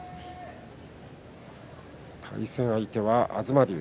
対戦相手は東龍。